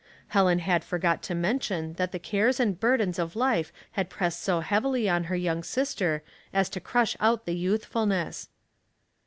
Helen had forgot to mention that the cares and burdens of life had pressed so heavily on her young sister as to crush out the youthfulness.